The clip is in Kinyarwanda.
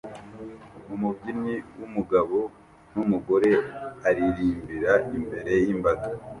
Umubyinnyi wumugabo numugore aririmbira imbere yimbaga